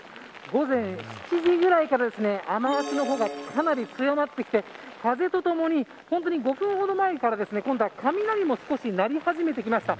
午前７時ぐらいから雨脚の方が、かなり強まってきて風とともに５分ほど前から今度は雷も少し鳴り始めてきました。